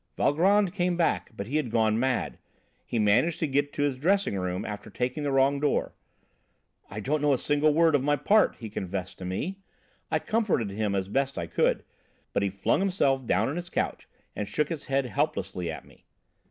"Valgrand came back, but he had gone mad. He managed to get to his dressing room after taking the wrong door. 'I don't know a single word of my part,' he confessed to me. I comforted him as best I could, but he flung himself down on his couch and shook his head helplessly at me.